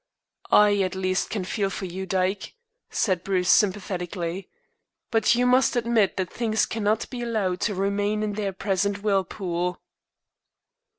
"I, at least, can feel for you, Dyke," said Bruce sympatherically, "but you must admit that things cannot be allowed to remain in their present whirlpool."